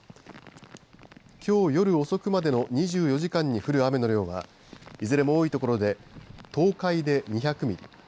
きょう夜遅くまでの２４時間に降る雨の量はいずれも多い所で東海で２００ミリ。